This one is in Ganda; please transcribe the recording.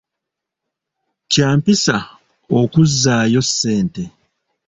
Kya mpisa okuzzaayo ssente